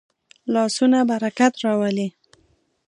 لاسونه برکت راولي